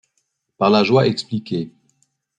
Par la joie expliqué